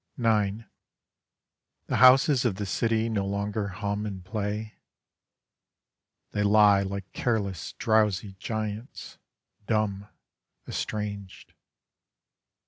IX The houses of the city no longer hum and play: They lie like careless drowsy giants, dumb, estranged.